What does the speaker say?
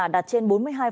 đạt trên bốn mươi hai